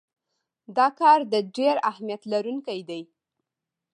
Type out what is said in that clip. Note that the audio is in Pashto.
دا کار د ډیر اهمیت لرونکی دی.